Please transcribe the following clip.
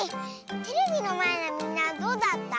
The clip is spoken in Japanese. テレビのまえのみんなはどうだった？